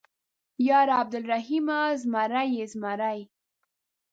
_ياره عبرالرحيمه ، زمری يې زمری.